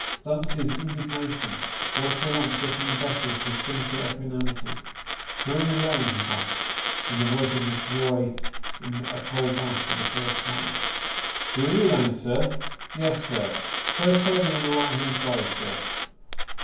Dumps's indig nation was for once getting the better of his cynical equanimity. " Drury Lane !" he gasped, with the voice of a boy in a cold bath for the first time. " Doory Lane, sir ? yes, sir, third turning on the right hand side, sir."